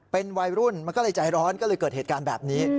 เป็นวัยรุ่นมันก็เลยใจร้อนก็เลยเกิดเหตุการณ์แบบนี้